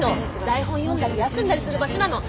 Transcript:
台本読んだり休んだりする場所なの！